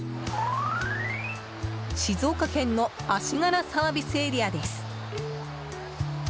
静岡県の足柄ＳＡです。